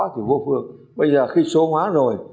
thì vô phương bây giờ khi số hóa rồi